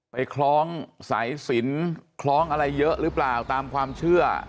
คล้องสายสินคล้องอะไรเยอะหรือเปล่าตามความเชื่อ